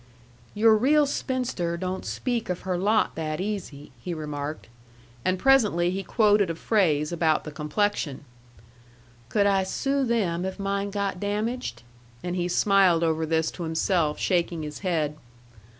"Your real spinster don't speak of her lot that easy," he remarked. And presently he quoted a phrase about the complexion, "'Could I sue them if mine got damaged?'" and he smiled over this to himself, shaking his head.